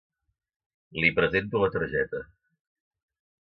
Li presento la targeta.